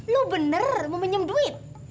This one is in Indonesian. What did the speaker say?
lu bener mau pinjam duit